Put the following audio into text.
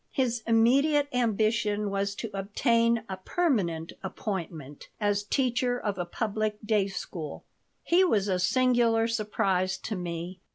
His immediate ambition was to obtain a "permanent appointment" as teacher of a public day school He was a singular surprise to me.